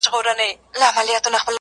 تا خو د کونړ د یکه زار کیسې لیکلي دي!.